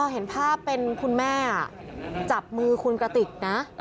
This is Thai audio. เห็นภาพเป็นคุณแม่จับมือคุณกระติกนะ